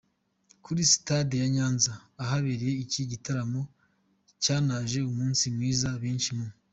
kuri stade ya Nyanza ahabereye iki gitaramo cyanaje umunsi mwiza benshi mu.